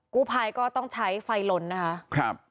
กู้ภัยก็ต้องใช้ไฟลนนะคะครับ